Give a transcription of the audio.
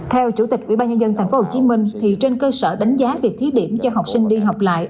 theo chủ tịch quỹ ba nhân dân tp hcm trên cơ sở đánh giá việc thiết điểm cho học sinh đi học lại